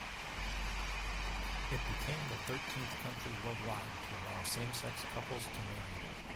It became the thirteenth country worldwide to allow same-sex couples to marry.